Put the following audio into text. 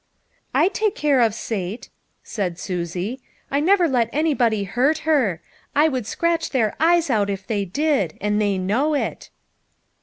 " I take care of Sate," said Susie. " I never let anybody hurt her. I would scratch their eyes out if they did ; and they know it."